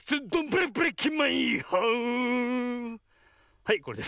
はいこれです。